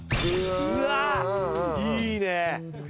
うわっいいね。